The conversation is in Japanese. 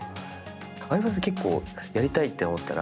相葉さん、結構やりたいって思ったら、